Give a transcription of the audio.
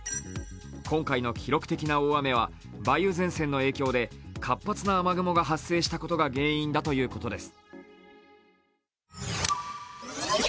今回の記録的な大雨は梅雨前線の影響で活発な雨雲が発生したことが原因だということです。